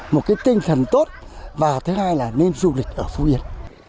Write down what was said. một cái tinh thần tốt và thứ hai là nên du lịch ở phú yên